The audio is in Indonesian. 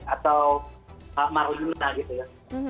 atau marwina gitu ya